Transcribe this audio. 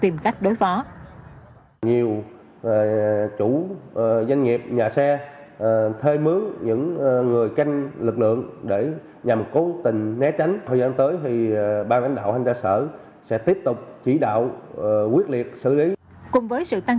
mỗi đêm như vậy